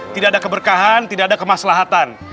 tidak ada keberkahan tidak ada kemaslahatan